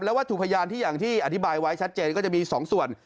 วัตถุพยานที่อย่างที่อธิบายไว้ชัดเจนก็จะมี๒ส่วน